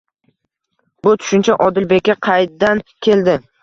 Bu tushuncha Odilbekka qaydan keldi?